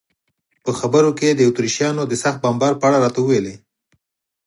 په خبرو کې یې د اتریشیانو د سخت بمبار په اړه راته وویل.